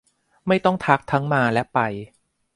ไม่ต้องทักทั้งมาและไป